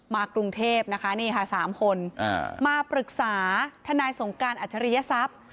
กรุงเทพนะคะนี่ค่ะ๓คนมาปรึกษาทนายสงการอัจฉริยทรัพย์